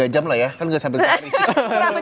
dua puluh tiga jam lah ya kan nggak sampai sehari